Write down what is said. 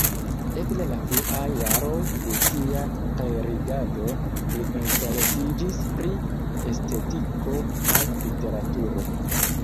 Ekde la fruaj jaroj de sia klerigado li interesiĝis pri estetiko kaj literaturo.